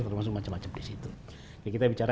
termasuk macam macam di situ ya kita bicara